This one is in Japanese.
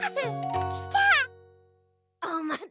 きた！